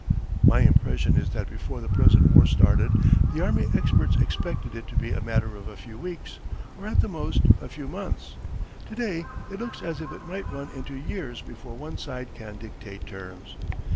"My impression is that before the present war started the army experts expected it to be a matter of a few weeks, or at the most, a few months. To day it looks as if it might run into years before one side can dictate terms.